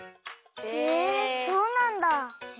へえそうなんだ。